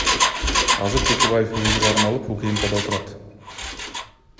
Азыр Текебаев өзү кармалып, УКМКда отурат.